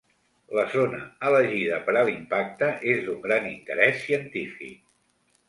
La zona elegida per a l’impacte és d’un gran interès científic.